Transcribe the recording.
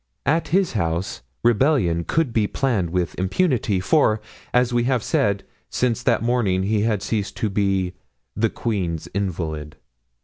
At his house rebellion could be planned with impunity, for, as we have said, since that morning he had ceased to be "the queen's invalid."